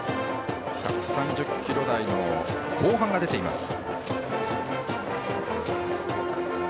１３０キロ台の後半が出ています。